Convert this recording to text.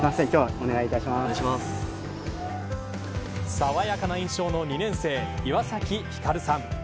爽やかな印象の２年生岩崎輝さん。